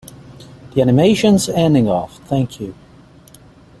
The animation's ending of, Thank you.